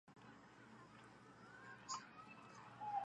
无神论人口统计的困难是多方面原因造成的。